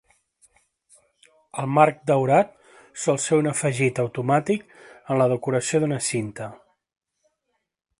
El marc daurat sol ser un afegit automàtic en la decoració d'una cinta.